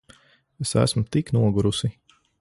Es esmu tik nogurusi.